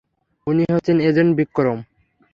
উনি হচ্ছেন এজেন্ট বিক্রম।